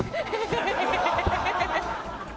ハハハハ！